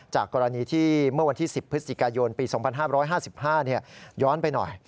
กรณีที่เมื่อวันที่๑๐พฤศจิกายนปี๒๕๕๕ย้อนไปหน่อย